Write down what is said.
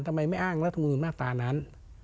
ทำไมไม่อ้างรัฐมนุนมาตรานั้น